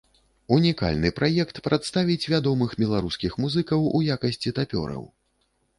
Унікальны праект прадставіць вядомых беларускіх музыкаў у якасці тапёраў.